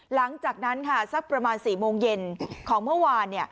หลังจากนั้นค่ะสักประมาณ๔โมงเย็นของเมื่อวาน